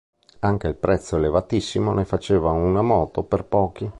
Anche il prezzo elevatissimo ne faceva una moto per pochi.